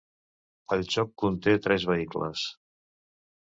El joc conté tres vehicles.